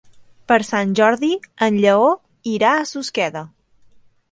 Per Sant Jordi en Lleó irà a Susqueda.